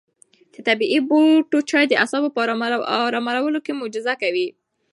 د طبیعي بوټو چای د اعصابو په ارامولو کې معجزه کوي.